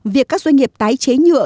việc các doanh nghiệp tái chế nhựa